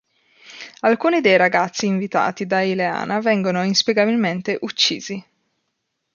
Alcuni dei ragazzi invitati da Ileana vengono inspiegabilmente uccisi.